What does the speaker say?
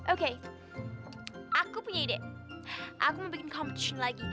oke aku punya ide aku mau bikin comction lagi